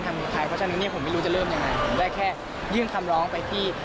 แต่พีชพัชรายืนยันแน่นอนว่าเอาเรื่องจะเงียบไป